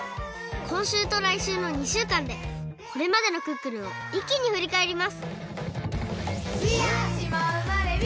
こんしゅうとらいしゅうの２しゅうかんでこれまでの「クックルン」をいっきにふりかえります！